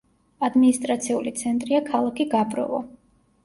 ადმინისტრაციული ცენტრია ქალაქი გაბროვო.